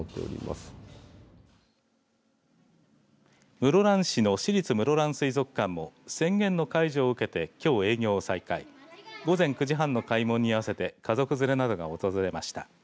室蘭市の市立室蘭水族館も宣言の解除を受けてきょう営業を再開午前９時半の開門に合わせて家族連れなどが訪れました。